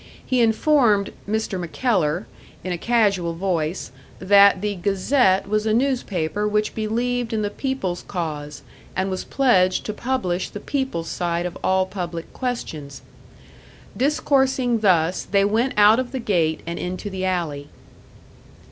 He informed "Mr. MacKellar," in a casual voice, that the Gazette was a newspaper which believed in the people's cause, and was pledged to publish the people's side of all public questions. Discoursing thus, they went out of the gate and into the alley.